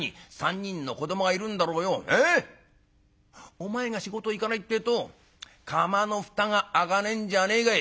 お前が仕事行かないってえと釜の蓋が開かねえんじゃねえかい」。